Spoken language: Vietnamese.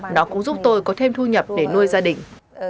nó cũng giúp tôi có thêm thu nhập để nuôi gia đình